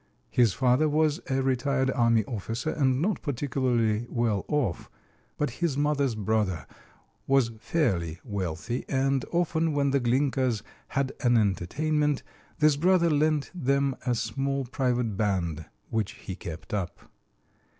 His father was a retired army officer and not particularly well off, but his mother's brother was fairly wealthy, and often when the Glinkas had an entertainment this brother lent them a small private band which he kept up.